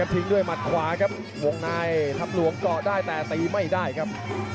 ทิ้งด้วยหมัดขวาครับวงในถ้ำหลวงเกาะได้แต่ตีไม่ได้ครับ